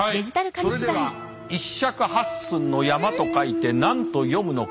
それでは一尺八寸の山と書いて何と読むのか。